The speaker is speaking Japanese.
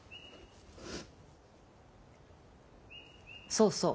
そうそう。